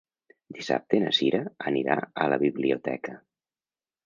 Dissabte na Sira anirà a la biblioteca.